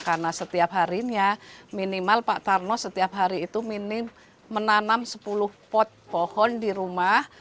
karena setiap harinya minimal pak tarno setiap hari itu menanam sepuluh pot pohon di rumah